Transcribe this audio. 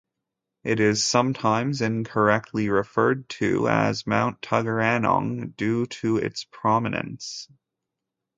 It is sometimes incorrectly referred to as Mount Tuggeranong due to its prominence.